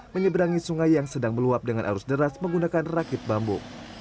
menyeberangi sungai yang sedang meluap dengan arus deras menggunakan rakit bambu